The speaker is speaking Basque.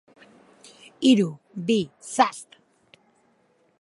Hiru, bi, zast!